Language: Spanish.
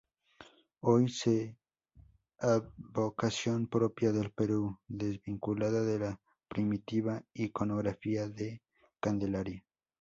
Hoy es advocación propia del Perú, desvinculada de la primitiva iconografía de "Candelaria".